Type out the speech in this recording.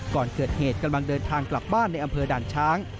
ก่อนเกิดเหตุกำลังเดินทางกลับบ้านในอำเภอด่านช้าง